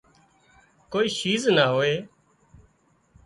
ڪوئي شيِز نِا هوئي